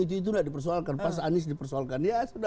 itu itu ada persoalkan pas anis dipersoalkan